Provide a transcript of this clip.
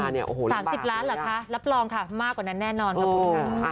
๓๐ล้านเหรอคะรับรองค่ะมากกว่านั้นแน่นอนขอบคุณค่ะ